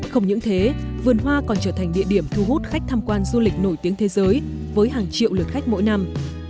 không những thế vườn hoa còn trở thành địa điểm thu hút khách tham quan du lịch nổi tiếng thế giới với hàng triệu lượt khách mỗi năm